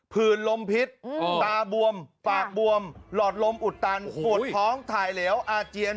ผื่นลมพิษตาบวมปากบวมหลอดลมอุดตันปวดท้องถ่ายเหลวอาเจียน